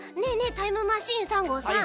タイムマシーン３号さん